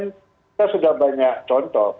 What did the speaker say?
kita sudah banyak contoh